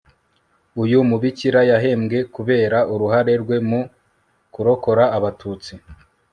uyu mubikira yahembwe kubera uruhare rwe mu kurokora abatutsi